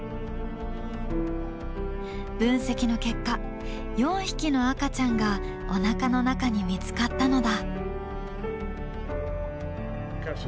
分析の結果４匹の赤ちゃんがおなかの中に見つかったのだ。